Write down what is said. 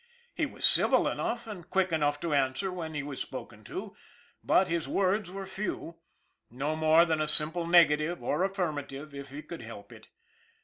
He was civil enough and quick enough to answer when he was spoken to, but his words were few no more than a simple negative or affirmative if he could help it.